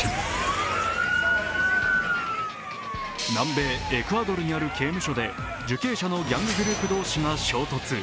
南米エクアドルにある刑務所で受刑者のギャンググループ同士が衝突。